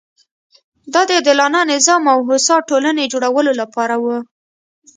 دا د عادلانه نظام او هوسا ټولنې جوړولو لپاره وه.